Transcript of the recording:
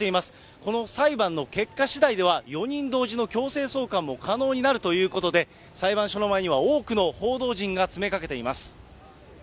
この裁判の結果しだいでは、４人同時の強制送還も可能になるということで、裁判所の前には多くの報道陣が詰めかけています。